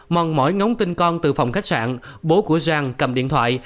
mòn mỏi ngóng tin con từ phòng khách sạn bố của giang cầm điện thoại